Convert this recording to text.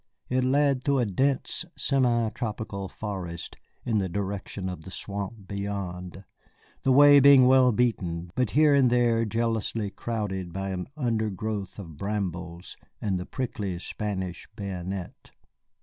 It led through a dense, semi tropical forest in the direction of the swamp beyond, the way being well beaten, but here and there jealously crowded by an undergrowth of brambles and the prickly Spanish bayonet.